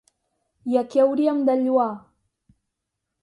I a qui hauríem de lloar?